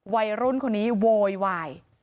วัยรุ่นคนนี้โวยวาย